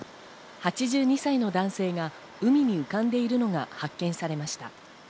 ８２歳の男性が海に浮かんでいるのが発見されました。